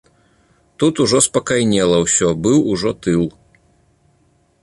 Тут ужо спакайнела ўсё, быў ужо тыл.